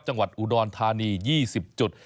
จังหวัดอุดรธานี๒๐จุด